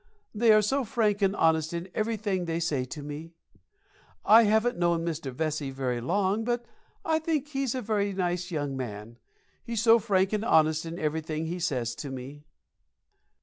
They are so frank and honest in everything they say to me. I haven't known Mr. Vesey very long, but I think he's a very nice young man, he's so frank and honest in everything he says to me."